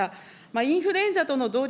インフルエンザとの同時